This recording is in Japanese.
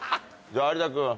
じゃあ有田君。